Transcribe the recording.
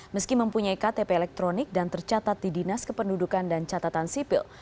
meski mempunyai ktp elektronik dan tercatat di dinas kependudukan dan catatan sipil